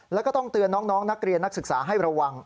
แล้วก็ต้องเตือนน้องนักเรียนนักศึกษาให้ระวัง